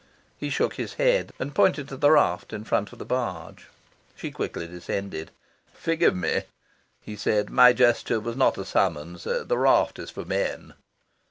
He shook his head, and pointed to the raft in front of the barge. She quickly descended. "Forgive me," he said, "my gesture was not a summons. The raft is for men."